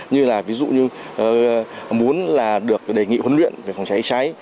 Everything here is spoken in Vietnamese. như là ví dụ như muốn là được đề nghị huấn luyện về phòng cháy cháy